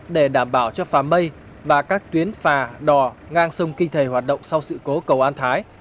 để đảm bảo cho phà mây và các tuyến phà đò ngang sông kinh thầy hoạt động sau sự cố cầu an thái